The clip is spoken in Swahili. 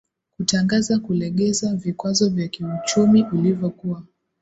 kutangaza kulegeza vikwazo vya kiuchumi ulivyokuwa